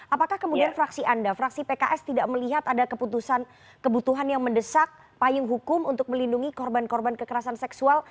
apakah kemudian fraksi anda fraksi pks tidak melihat ada keputusan kebutuhan yang mendesak payung hukum untuk melindungi korban korban kekerasan seksual